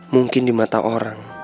mungkin di mata orang